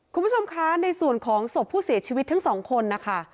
คุณผู้ชมคะในส่วนของศพผู้เสียชีวิตทั้งสองคนนะคะ